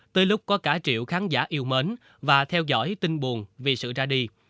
tới lúc có cả triệu khán giả yêu mến và theo dõi tin buồn vì sự ra đi